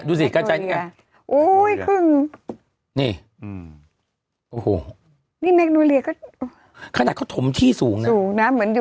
ดูสิ้กระจายโอ้ยครึ่งนี่อืมโอ้โหที่สูงน่ะเหมือนอยู่